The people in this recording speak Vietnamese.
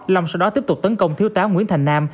long sau đó tiếp tục tấn công thiếu tá nguyễn thành nam